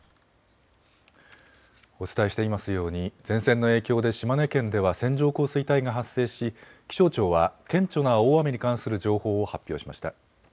お伝えしていますように前線の影響で島根県では線状降水帯が発生し気象庁は顕著な大雨に関する情報を発表しました。